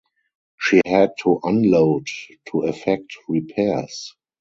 She had to unload to effect repairs.